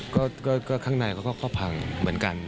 ก็ข้างในเขาก็พังเหมือนกัน